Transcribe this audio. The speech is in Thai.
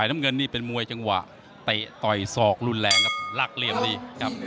มวยจังหวะเตะต่อยซอกรุนแรงครับรักเหลี่ยมดีครับ